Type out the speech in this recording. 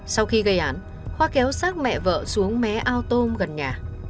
sau khi gây án khoa kéo sát mẹ vợ xuống mé ao tôm gần nhà